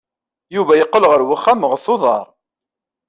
Yuba yeqqel ɣer uxxam ɣef uḍar.